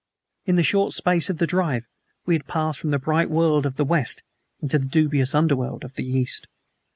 In the short space of the drive we had passed from the bright world of the West into the dubious underworld of the East.